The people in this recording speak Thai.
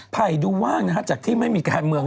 ไผ่ดูว่างนะครับจากที่ไม่มีกาติเมือง